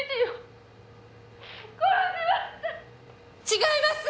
違います！